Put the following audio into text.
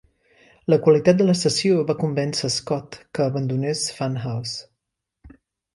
La qualitat de la sessió va convèncer Scott que abandonés Funhouse.